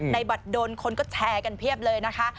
บัตรดนคนก็แชร์กันเพียบเลยนะคะ